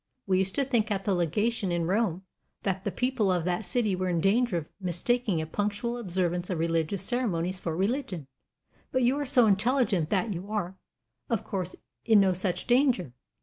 We used to think at the legation in Rome that the people of that city were in danger of mistaking a punctual observance of religious ceremonies for religion. But you are so intelligent that you are, of course, in no such danger.